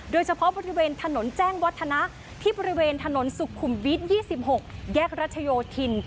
โดยเฉพาะบริเวณถนนแจ้งวัฒนะที่บริเวณถนนสุขุมวิทย์๒๖แยกรัชโยธิน